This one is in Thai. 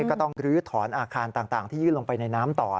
ก็ต้องลื้อถอนอาคารต่างที่ยื่นลงไปในน้ำต่อ